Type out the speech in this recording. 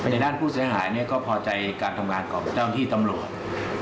ในด้านผู้ต้องหาเนี่ยก็พอใจการทำงานกับเจ้าที่ตำรวจ